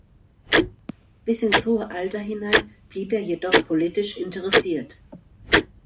Bis ins hohe Alter hinein blieb er jedoch politisch interessiert.